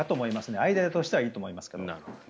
アイデアとしてはいいと思いますが。